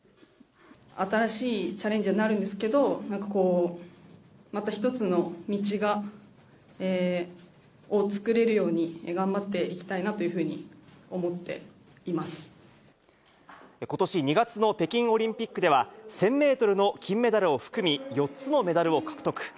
新しいチャレンジになるんですけど、なんかこう、また一つの道をつくれるように頑張っていきたいなというふうに思ことし２月の北京オリンピックでは、１０００メートルの金メダルを含み、４つのメダルを獲得。